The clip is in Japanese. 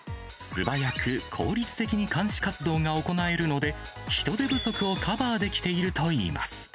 素早く、効率的に監視活動が行えるので、人手不足をカバーできているといいます。